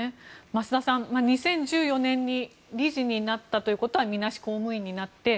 増田さん、２０１４年に理事になったということはみなし公務員になって。